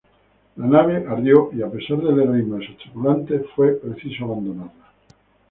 La nave ardió y a pesar del heroísmo de sus tripulantes, fue preciso abandonarla.